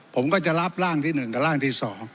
ผมก็จะรับร่างที่๑กับร่างที่๒